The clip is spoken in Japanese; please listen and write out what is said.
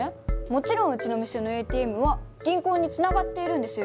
もちろんうちの店のＡＴＭは銀行につながっているんですよね？